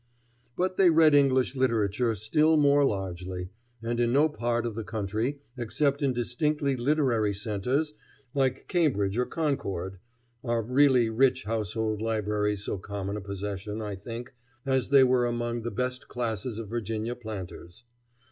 But they read English literature still more largely, and in no part of the country, except in distinctly literary centres like Cambridge or Concord, are really rich household libraries so common a possession, I think, as they were among the best classes of Virginian planters.